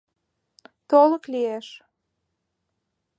— Толык лиеш.